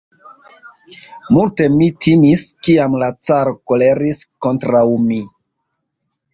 Multe mi timis, kiam la caro koleris kontraŭ mi!